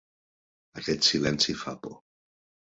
Aquest silenci fa por.